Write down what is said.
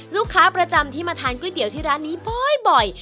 ลูกค้าประจำที่มาทานก๋วยเตี๋ยวที่ร้านนี้บ่อย